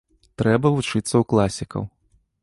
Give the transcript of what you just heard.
Трэба вучыцца ў класікаў.